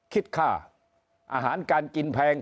คิดค่าอาหารการกินแพง